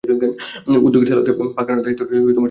উদ্যোগের সলতে পাকানোর দায়িত্বটা সব সময় বামপন্থীরাই নেন।